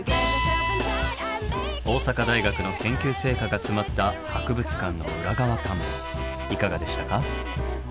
大阪大学の研究成果が詰まった博物館の裏側探訪いかがでしたか？